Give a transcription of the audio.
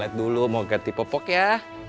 lihat dulu mau ganti popok ya